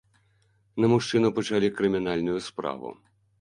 На мужчыну пачалі крымінальную справу.